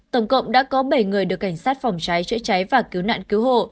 tổng cộng đã có bảy người được cảnh sát phòng trái chữa trái và cứu nạn cứu hộ